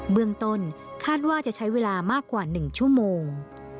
เมืองต้นคาดว่าจะใช้เวลามากกว่า๑ชั่วโมง